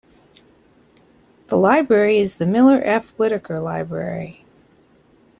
The library is the Miller F. Whittaker Library.